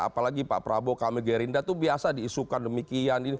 apalagi pak prabowo kamil gerinda itu biasa diisukan demikian